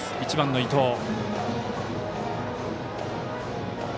１番の伊藤。